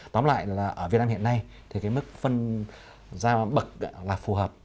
tóm lại là ở việt nam hiện nay thì mức phân giá bậc là phù hợp